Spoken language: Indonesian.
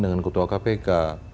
dengan ketua kpk